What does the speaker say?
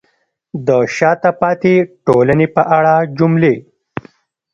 د شاته پاتې ټولنې په اړه جملې: